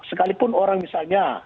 sekalipun orang misalnya